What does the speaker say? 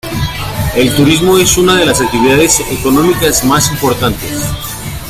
El turismo es una de las actividades económicas más importantes.